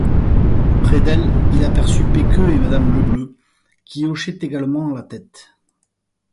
Près d'elle, il aperçut Pecqueux et madame Lebleu, qui hochaient également la tête.